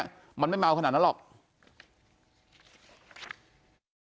อยู่ดีมาตายแบบเปลือยคาห้องน้ำได้ยังไง